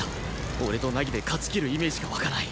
俺と凪で勝ちきるイメージが湧かない